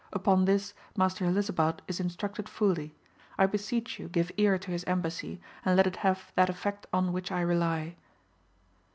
Upon this Master Helisabad is instructed fully. I beseech you give ear to his em bassy, and let it have thact effect on which I rely.